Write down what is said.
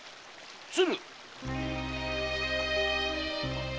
鶴！